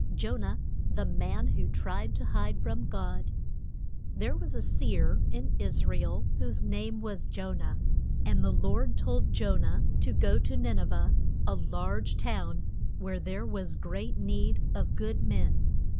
JONAH, THE MAN WHO TRIED TO HIDE FROM GOD. THERE was a seer in Is ra el whose name was Jo nah. And the Lord told Jo nah to go to Nin e veh, a large town where there was great need of good men.